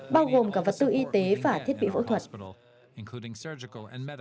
bao gồm cả vật tư y tế và thiết bị phẫu thuật